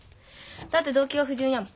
だって動機が不純やも。